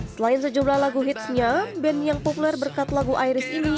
selain sejumlah lagu hitsnya band yang populer berkat lagu iris ini